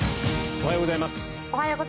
おはようございます。